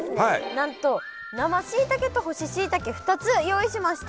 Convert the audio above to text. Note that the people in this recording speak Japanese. なんと生しいたけと干ししいたけ２つ用意しました。